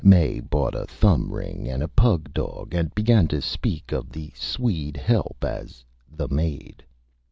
Mae bought a Thumb Ring and a Pug Dog, and began to speak of the Swede Help as "The Maid."